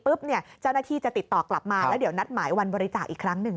เจ้าหน้าที่จะติดต่อกลับมาแล้วเดี๋ยวนัดหมายวันบริจาคอีกครั้งหนึ่ง